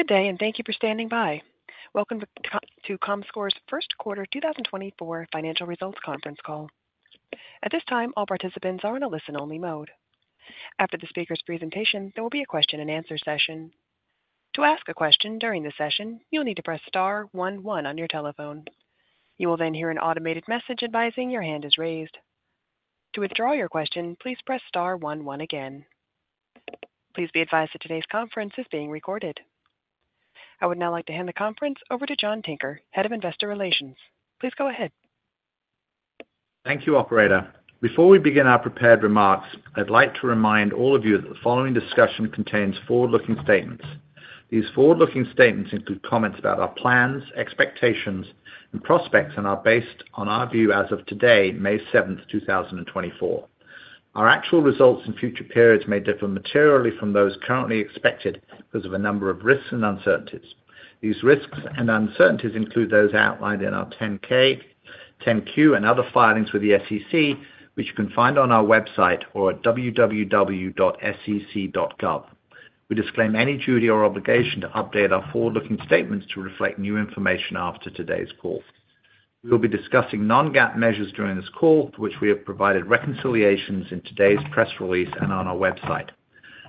Good day, and thank you for standing by. Welcome to Comscore's first quarter 2024 financial results conference call. At this time, all participants are in a listen-only mode. After the speaker's presentation, there will be a question-and-answer session. To ask a question during the session, you'll need to press star one one on your telephone. You will then hear an automated message advising your hand is raised. To withdraw your question, please press star one one again. Please be advised that today's conference is being recorded. I would now like to hand the conference over to John Tinker, head of investor relations. Please go ahead. Thank you, operator. Before we begin our prepared remarks, I'd like to remind all of you that the following discussion contains forward-looking statements. These forward-looking statements include comments about our plans, expectations, and prospects and are based on our view as of today, May 7th, 2024. Our actual results in future periods may differ materially from those currently expected because of a number of risks and uncertainties. These risks and uncertainties include those outlined in our 10-K, 10-Q, and other filings with the SEC, which you can find on our website or at www.sec.gov. We disclaim any duty or obligation to update our forward-looking statements to reflect new information after today's call. We will be discussing non-GAAP measures during this call, for which we have provided reconciliations in today's press release and on our website.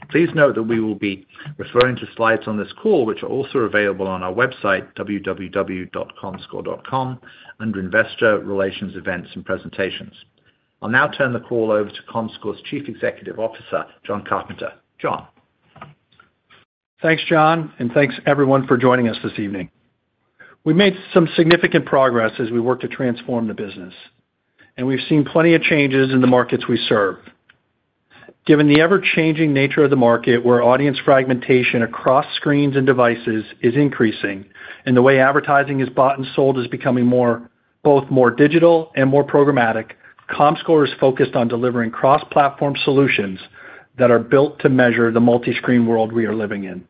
Please note that we will be referring to slides on this call, which are also available on our website, www.comscore.com, under investor relations events and presentations. I'll now turn the call over to Comscore's Chief Executive Officer, Jon Carpenter. Jon. Thanks, John, and thanks everyone for joining us this evening. We've made some significant progress as we work to transform the business, and we've seen plenty of changes in the markets we serve. Given the ever-changing nature of the market, where audience fragmentation across screens and devices is increasing, and the way advertising is bought and sold is becoming both more digital and more programmatic, Comscore is focused on delivering cross-platform solutions that are built to measure the multi-screen world we are living in.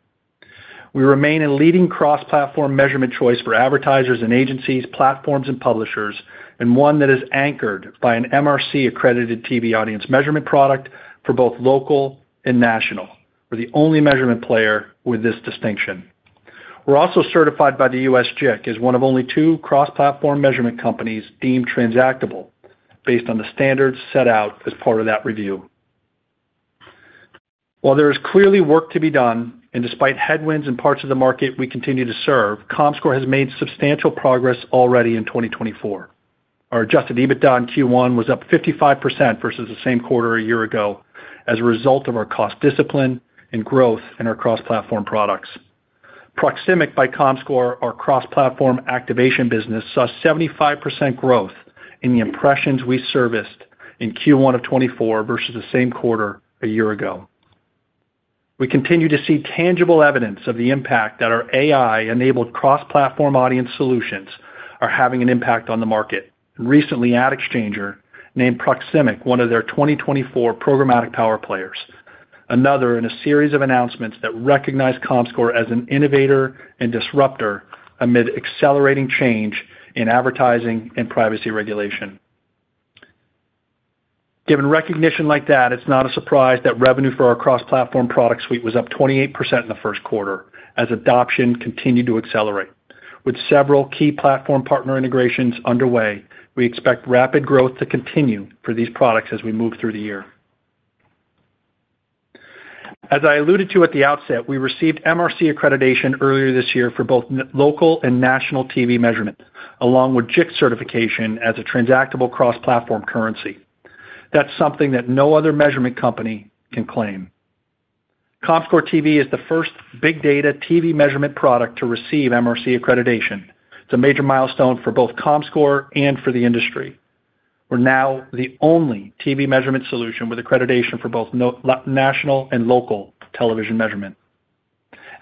We remain a leading cross-platform measurement choice for advertisers and agencies, platforms, and publishers, and one that is anchored by an MRC-accredited TV audience measurement product for both local and national. We're the only measurement player with this distinction. We're also certified by the U.S. JIC as one of only two cross-platform measurement companies deemed transactable based on the standards set out as part of that review. While there is clearly work to be done, and despite headwinds in parts of the market we continue to serve, Comscore has made substantial progress already in 2024. Our Adjusted EBITDA in Q1 was up 55% versus the same quarter a year ago as a result of our cost discipline and growth in our cross-platform products. Proximic by Comscore, our cross-platform activation business saw 75% growth in the impressions we serviced in Q1 of 2024 versus the same quarter a year ago. We continue to see tangible evidence of the impact that our AI-enabled cross-platform audience solutions are having an impact on the market, and recently AdExchanger named Proximic one of their 2024 Programmatic Power Players, another in a series of announcements that recognize Comscore as an innovator and disruptor amid accelerating change in advertising and privacy regulation. Given recognition like that, it's not a surprise that revenue for our cross-platform product suite was up 28% in the first quarter as adoption continued to accelerate. With several key platform partner integrations underway, we expect rapid growth to continue for these products as we move through the year. As I alluded to at the outset, we received MRC accreditation earlier this year for both local and national TV measurement, along with JIC certification as a transactable cross-platform currency. That's something that no other measurement company can claim. Comscore TV is the first big data TV measurement product to receive MRC accreditation. It's a major milestone for both Comscore and for the industry. We're now the only TV measurement solution with accreditation for both national and local television measurement.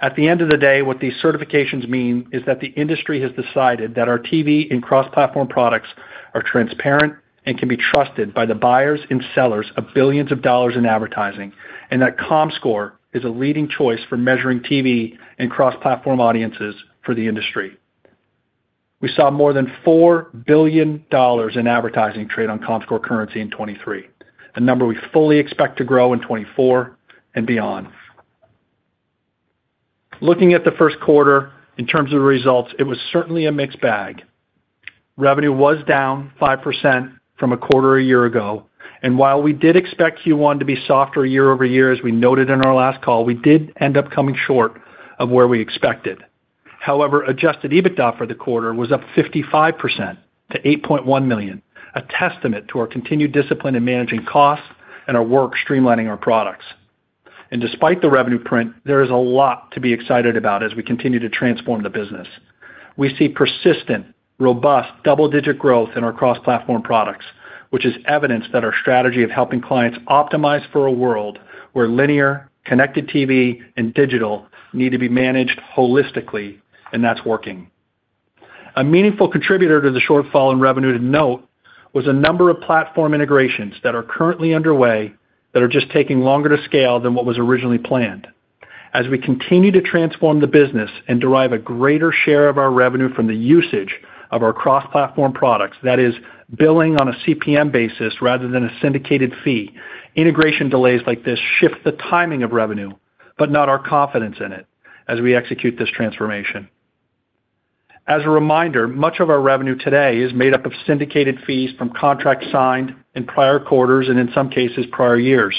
At the end of the day, what these certifications mean is that the industry has decided that our TV and cross-platform products are transparent and can be trusted by the buyers and sellers of billions of dollars in advertising, and that Comscore is a leading choice for measuring TV and cross-platform audiences for the industry. We saw more than $4 billion in advertising trade on Comscore currency in 2023, a number we fully expect to grow in 2024 and beyond. Looking at the first quarter, in terms of the results, it was certainly a mixed bag. Revenue was down 5% from a quarter a year ago, and while we did expect Q1 to be softer year-over-year, as we noted in our last call, we did end up coming short of where we expected. However, Adjusted EBITDA for the quarter was up 55% to $8.1 million, a testament to our continued discipline in managing costs and our work streamlining our products. Despite the revenue print, there is a lot to be excited about as we continue to transform the business. We see persistent, robust, double-digit growth in our cross-platform products, which is evidence that our strategy of helping clients optimize for a world where linear, connected TV, and digital need to be managed holistically, and that's working. A meaningful contributor to the shortfall in revenue to note was a number of platform integrations that are currently underway that are just taking longer to scale than what was originally planned. As we continue to transform the business and derive a greater share of our revenue from the usage of our cross-platform products, that is, billing on a CPM basis rather than a syndicated fee, integration delays like this shift the timing of revenue but not our confidence in it as we execute this transformation. As a reminder, much of our revenue today is made up of syndicated fees from contracts signed in prior quarters and, in some cases, prior years.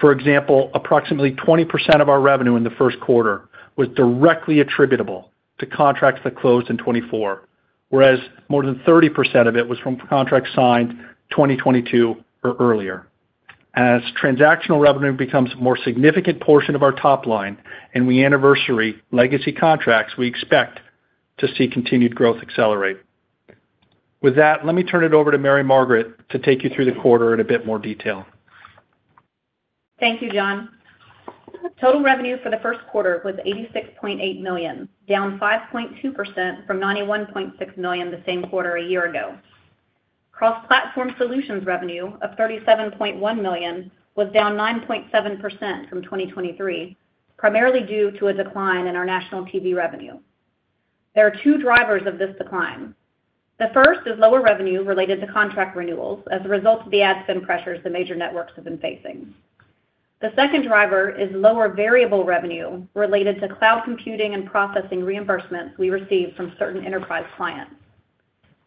For example, approximately 20% of our revenue in the first quarter was directly attributable to contracts that closed in 2024, whereas more than 30% of it was from contracts signed 2022 or earlier. As transactional revenue becomes a more significant portion of our top line and we anniversary legacy contracts, we expect to see continued growth accelerate. With that, let me turn it over to Mary Margaret to take you through the quarter in a bit more detail. Thank you, Jon. Total revenue for the first quarter was $86.8 million, down 5.2% from $91.6 million the same quarter a year ago. Cross-platform solutions revenue of $37.1 million was down 9.7% from 2023, primarily due to a decline in our national TV revenue. There are two drivers of this decline. The first is lower revenue related to contract renewals as a result of the ad spend pressures the major networks have been facing. The second driver is lower variable revenue related to cloud computing and processing reimbursements we receive from certain enterprise clients.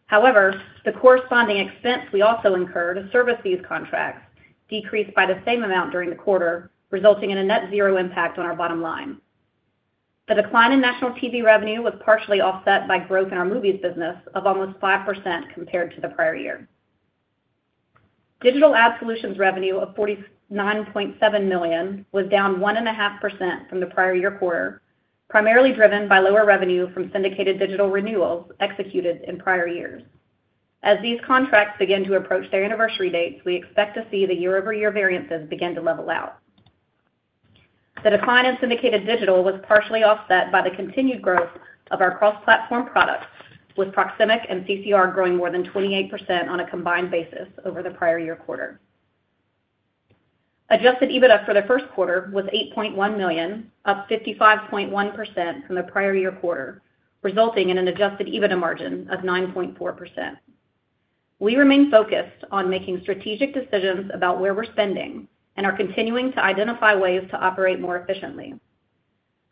However, the corresponding expense we also incur to service these contracts decreased by the same amount during the quarter, resulting in a net zero impact on our bottom line. The decline in national TV revenue was partially offset by growth in our movies business of almost 5% compared to the prior year. Digital ad solutions revenue of $49.7 million was down 1.5% from the prior year quarter, primarily driven by lower revenue from syndicated digital renewals executed in prior years. As these contracts begin to approach their anniversary dates, we expect to see the year-over-year variances begin to level out. The decline in syndicated digital was partially offset by the continued growth of our cross-platform products, with Proximic and CCR growing more than 28% on a combined basis over the prior year quarter. Adjusted EBITDA for the first quarter was $8.1 million, up 55.1% from the prior year quarter, resulting in an adjusted EBITDA margin of 9.4%. We remain focused on making strategic decisions about where we're spending and are continuing to identify ways to operate more efficiently.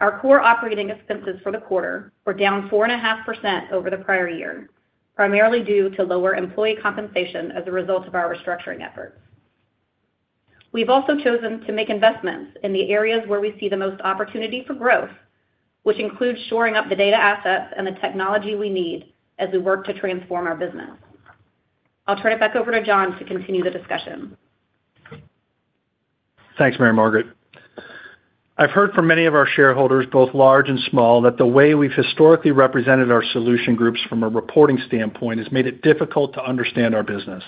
Our core operating expenses for the quarter were down 4.5% over the prior year, primarily due to lower employee compensation as a result of our restructuring efforts. We've also chosen to make investments in the areas where we see the most opportunity for growth, which includes shoring up the data assets and the technology we need as we work to transform our business. I'll turn it back over to Jon to continue the discussion. Thanks, Mary Margaret. I've heard from many of our shareholders, both large and small, that the way we've historically represented our solution groups from a reporting standpoint has made it difficult to understand our business.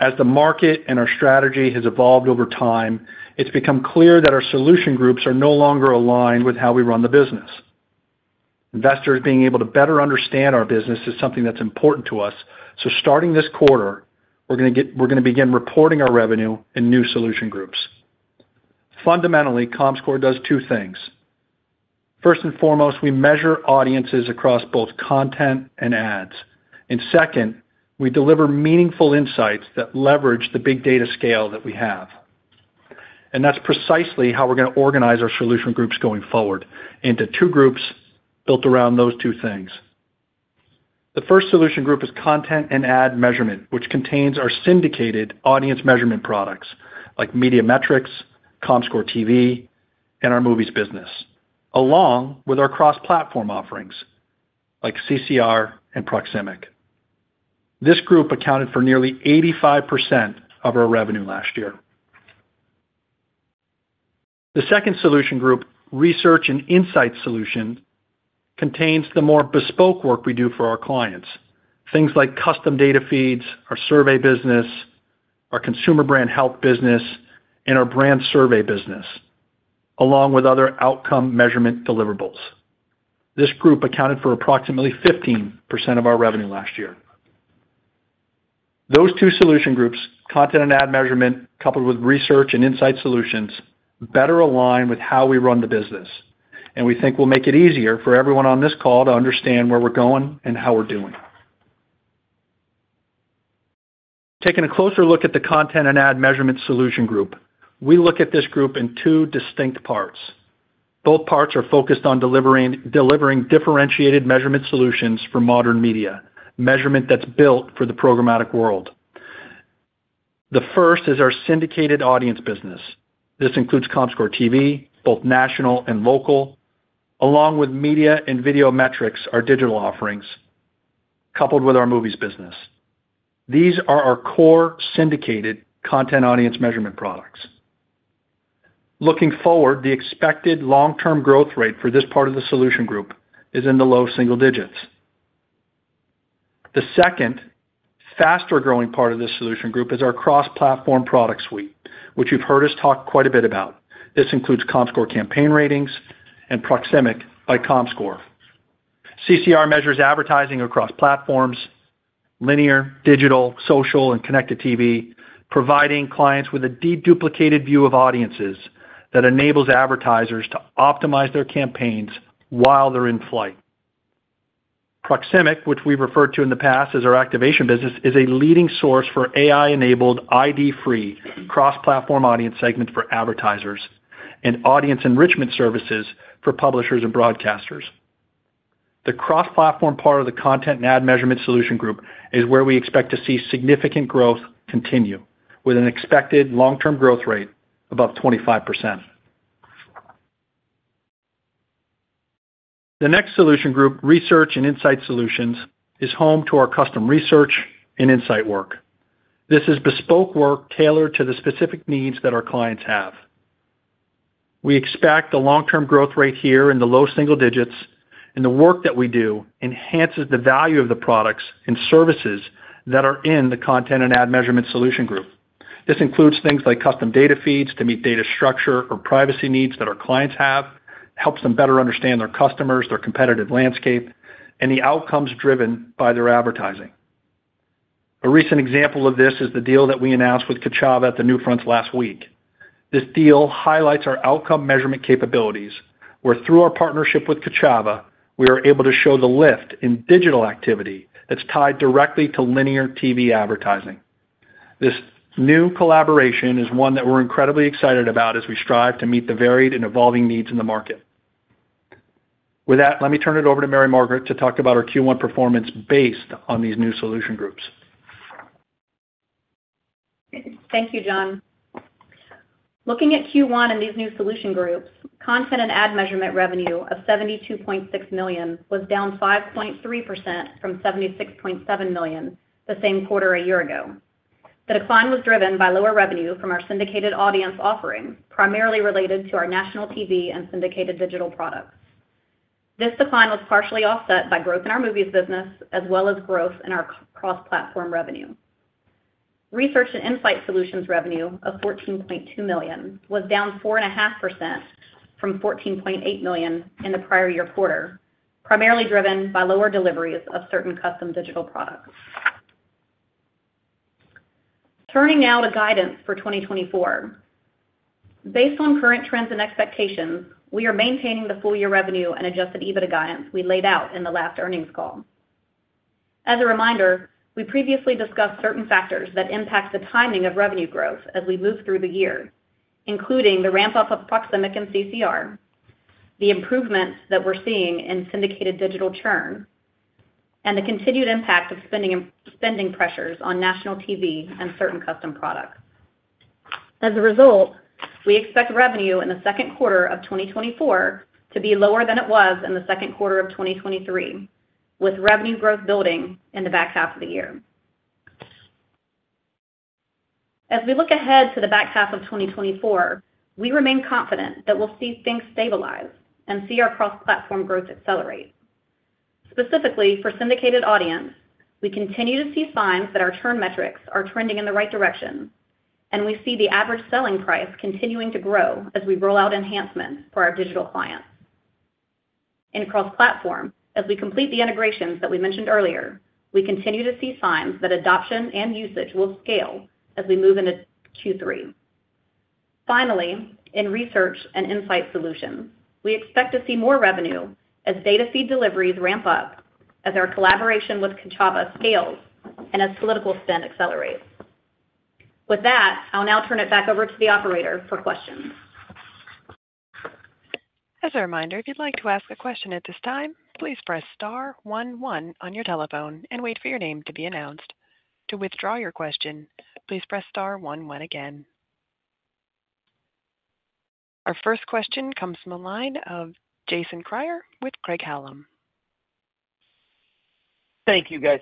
As the market and our strategy has evolved over time, it's become clear that our solution groups are no longer aligned with how we run the business. Investors being able to better understand our business is something that's important to us, so starting this quarter, we're going to begin reporting our revenue in new solution groups. Fundamentally, Comscore does two things. First and foremost, we measure audiences across both content and ads. And second, we deliver meaningful insights that leverage the big data scale that we have. And that's precisely how we're going to organize our solution groups going forward, into two groups built around those two things. The first solution group is Content and Ad Measurement, which contains our syndicated audience measurement products like Media Metrix, Comscore TV, and our movies business, along with our cross-platform offerings like CCR and Proximic. This group accounted for nearly 85% of our revenue last year. The second solution group, Research and Insights Solution, contains the more bespoke work we do for our clients, things like custom data feeds, our survey business, our consumer brand health business, and our brand survey business, along with other outcome measurement deliverables. This group accounted for approximately 15% of our revenue last year. Those two solution groups, Content and Ad Measurement coupled with Research and Insights Solutions, better align with how we run the business, and we think will make it easier for everyone on this call to understand where we're going and how we're doing. Taking a closer look at the Content and Ad Measurement solution group, we look at this group in two distinct parts. Both parts are focused on delivering differentiated measurement solutions for modern media, measurement that's built for the programmatic world. The first is our syndicated audience business. This includes Comscore TV, both national and local, along with Media Metrix and Video Metrix, our digital offerings, coupled with our movies business. These are our core syndicated content audience measurement products. Looking forward, the expected long-term growth rate for this part of the solution group is in the low single digits. The second faster-growing part of this solution group is our cross-platform product suite, which you've heard us talk quite a bit about. This includes Comscore Campaign Ratings and Proximic by Comscore. CCR measures advertising across platforms, linear, digital, social, and connected TV, providing clients with a deduplicated view of audiences that enables advertisers to optimize their campaigns while they're in flight. Proximic, which we've referred to in the past as our activation business, is a leading source for AI-enabled, ID-free cross-platform audience segments for advertisers and audience enrichment services for publishers and broadcasters. The cross-platform part of the Content and Ad Measurement solution group is where we expect to see significant growth continue, with an expected long-term growth rate above 25%. The next solution group, Research and Insights Solutions, is home to our custom research and insight work. This is bespoke work tailored to the specific needs that our clients have. We expect a long-term growth rate here in the low single digits, and the work that we do enhances the value of the products and services that are in the Content and Ad Measurement solution group. This includes things like custom data feeds to meet data structure or privacy needs that our clients have, helps them better understand their customers, their competitive landscape, and the outcomes driven by their advertising. A recent example of this is the deal that we announced with Kochava at the NewFronts last week. This deal highlights our outcome measurement capabilities, where through our partnership with Kochava, we are able to show the lift in digital activity that's tied directly to linear TV advertising. This new collaboration is one that we're incredibly excited about as we strive to meet the varied and evolving needs in the market. With that, let me turn it over to Mary Margaret to talk about our Q1 performance based on these new solution groups. Thank you, Jon. Looking at Q1 and these new solution groups, Content and Ad Measurement revenue of $72.6 million was down 5.3% from $76.7 million the same quarter a year ago. The decline was driven by lower revenue from our syndicated audience offering, primarily related to our national TV and syndicated digital products. This decline was partially offset by growth in our movies business as well as growth in our cross-platform revenue. Research and Insights Solutions revenue of $14.2 million was down 4.5% from $14.8 million in the prior year quarter, primarily driven by lower deliveries of certain custom digital products. Turning now to guidance for 2024. Based on current trends and expectations, we are maintaining the full-year revenue and Adjusted EBITDA guidance we laid out in the last earnings call. As a reminder, we previously discussed certain factors that impact the timing of revenue growth as we move through the year, including the ramp-up of Proximic and CCR, the improvements that we're seeing in syndicated digital churn, and the continued impact of spending pressures on national TV and certain custom products. As a result, we expect revenue in the second quarter of 2024 to be lower than it was in the second quarter of 2023, with revenue growth building in the back half of the year. As we look ahead to the back half of 2024, we remain confident that we'll see things stabilize and see our cross-platform growth accelerate. Specifically, for syndicated audience, we continue to see signs that our churn metrics are trending in the right direction, and we see the average selling price continuing to grow as we roll out enhancements for our digital clients. In cross-platform, as we complete the integrations that we mentioned earlier, we continue to see signs that adoption and usage will scale as we move into Q3. Finally, in Research and Insights Solutions, we expect to see more revenue as data feed deliveries ramp up, as our collaboration with Kochava scales, and as political spend accelerates. With that, I'll now turn it back over to the operator for questions. As a reminder, if you'd like to ask a question at this time, please press star one one on your telephone and wait for your name to be announced. To withdraw your question, please press star one one again. Our first question comes from a line of Jason Kreyer with Craig-Hallum. Thank you, guys.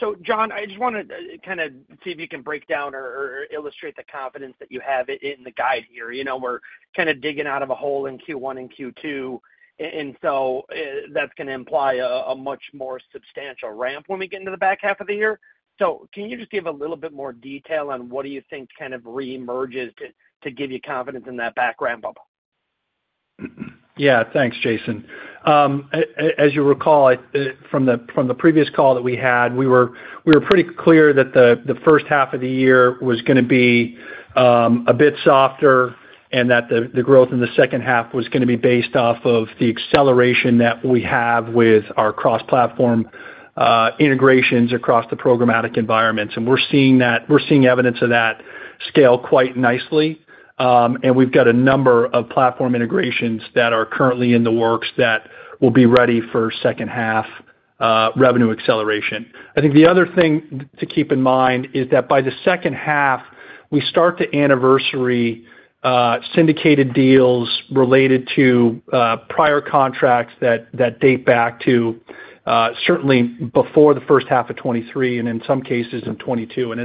So, Jon, I just want to kind of see if you can break down or illustrate the confidence that you have in the guide here. We're kind of digging out of a hole in Q1 and Q2, and so that's going to imply a much more substantial ramp when we get into the back half of the year. So can you just give a little bit more detail on what do you think kind of reemerges to give you confidence in that back ramp-up? Yeah, thanks, Jason. As you recall, from the previous call that we had, we were pretty clear that the first half of the year was going to be a bit softer and that the growth in the second half was going to be based off of the acceleration that we have with our cross-platform integrations across the programmatic environments. And we're seeing evidence of that scale quite nicely. And we've got a number of platform integrations that are currently in the works that will be ready for second-half revenue acceleration. I think the other thing to keep in mind is that by the second half, we start the anniversary syndicated deals related to prior contracts that date back to certainly before the first half of 2023 and in some cases in 2022. And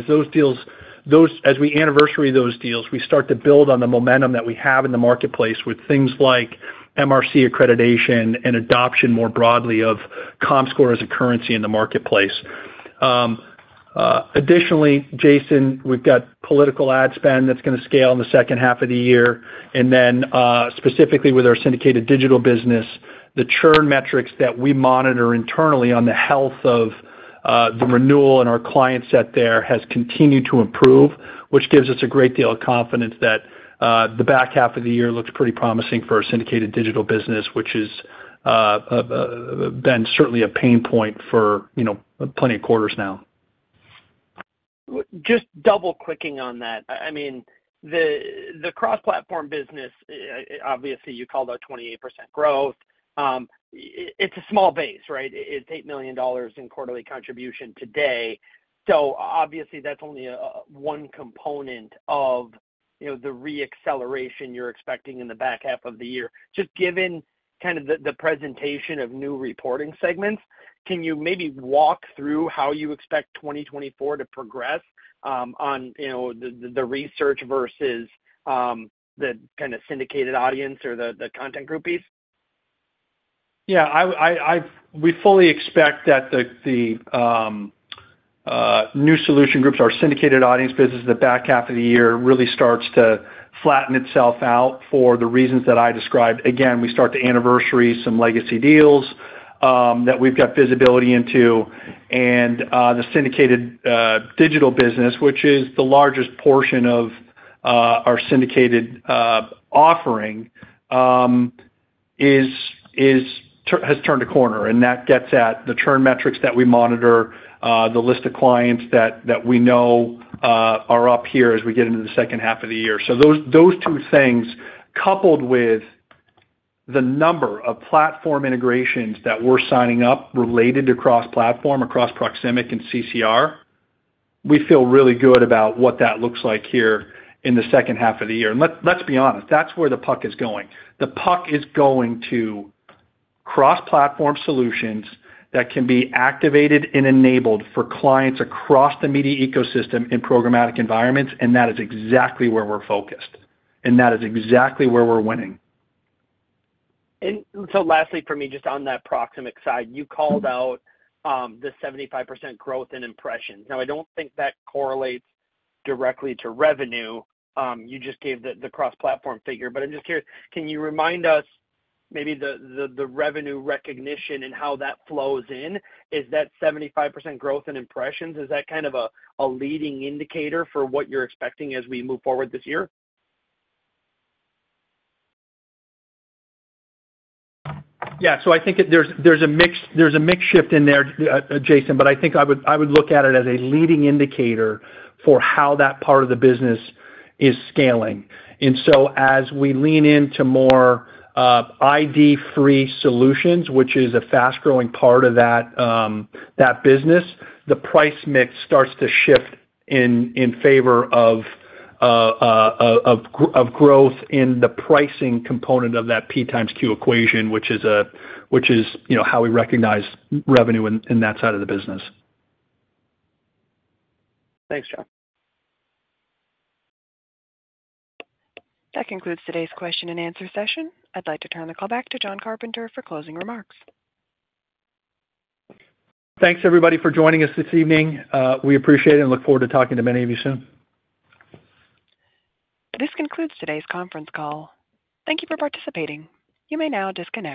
as we anniversary those deals, we start to build on the momentum that we have in the marketplace with things like MRC accreditation and adoption more broadly of Comscore as a currency in the marketplace. Additionally, Jason, we've got political ad spend that's going to scale in the second half of the year. And then specifically with our syndicated digital business, the churn metrics that we monitor internally on the health of the renewal and our client set there has continued to improve, which gives us a great deal of confidence that the back half of the year looks pretty promising for our syndicated digital business, which has been certainly a pain point for plenty of quarters now. Just double-clicking on that. I mean, the cross-platform business, obviously, you called out 28% growth. It's a small base, right? It's $8 million in quarterly contribution today. So obviously, that's only one component of the reacceleration you're expecting in the back half of the year. Just given kind of the presentation of new reporting segments, can you maybe walk through how you expect 2024 to progress on the research versus the kind of syndicated audience or the content group piece? Yeah. We fully expect that the new solution groups, our syndicated audience business, the back half of the year really starts to flatten itself out for the reasons that I described. Again, we start to anniversary some legacy deals that we've got visibility into. And the syndicated digital business, which is the largest portion of our syndicated offering, has turned a corner. And that gets at the churn metrics that we monitor, the list of clients that we know are up here as we get into the second half of the year. So those two things, coupled with the number of platform integrations that we're signing up related to cross-platform, across Proximic and CCR, we feel really good about what that looks like here in the second half of the year. And let's be honest, that's where the puck is going. The puck is going to cross-platform solutions that can be activated and enabled for clients across the media ecosystem in programmatic environments. That is exactly where we're focused. That is exactly where we're winning. So lastly for me, just on that Proximic side, you called out the 75% growth in impressions. Now, I don't think that correlates directly to revenue. You just gave the cross-platform figure. But I'm just curious, can you remind us maybe the revenue recognition and how that flows in? Is that 75% growth in impressions? Is that kind of a leading indicator for what you're expecting as we move forward this year? Yeah. So I think there's a mixed shift in there, Jason. But I think I would look at it as a leading indicator for how that part of the business is scaling. And so as we lean into more ID-free solutions, which is a fast-growing part of that business, the price mix starts to shift in favor of growth in the pricing component of that P times Q equation, which is how we recognize revenue in that side of the business. Thanks, Jon. That concludes today's question and answer session. I'd like to turn the call back to Jon Carpenter for closing remarks. Thanks, everybody, for joining us this evening. We appreciate it and look forward to talking to many of you soon. This concludes today's conference call. Thank you for participating. You may now disconnect.